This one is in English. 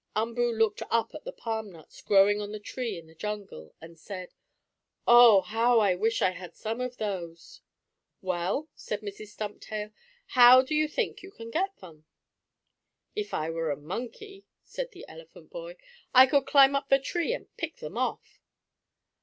Umboo looked up at the palm nuts growing on the tree in the jungle, and said: "Oh, how I wish I had some of those." "Well," said Mrs. Stumptail, "how do you think you can get them?" "If I were a monkey," said the elephant boy, "I could climb up the tree and pick them off."